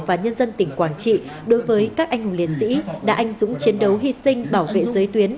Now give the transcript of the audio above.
và nhân dân tỉnh quảng trị đối với các anh hùng liệt sĩ đã anh dũng chiến đấu hy sinh bảo vệ giới tuyến